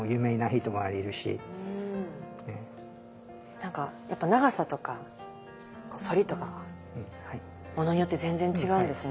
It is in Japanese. なんか長さとか反りとかものによって全然違うんですね。